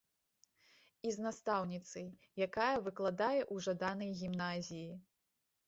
І з настаўніцай, якая выкладае ў жаданай гімназіі.